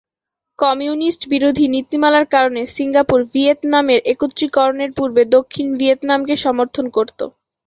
কমিউনিস্ট-বিরোধী নীতিমালার কারণে সিঙ্গাপুর ভিয়েতনামের একত্রীকরণের পূর্বে দক্ষিণ ভিয়েতনামকে সমর্থন করতো।